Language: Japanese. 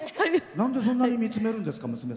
なんで、そんなに見つめるんですか？